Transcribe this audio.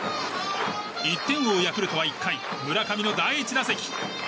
１点を追うヤクルトは１回、村上の第１打席。